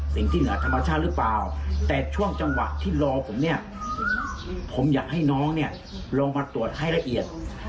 สิ่งที่เหนือธรรมชาติรึเปล่าแต่ช่วงจังหวะที่รอผมเนี่ย